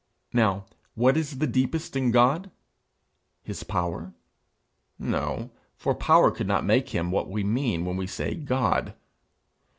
Now what is the deepest in God? His power? No, for power could not make him what we mean when we say _God.